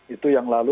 itu yang lalu